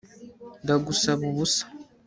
Ndagusaba ubusa